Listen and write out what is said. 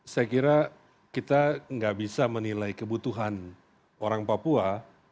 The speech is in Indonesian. saya kira kita nggak bisa menilai kebutuhan orang papua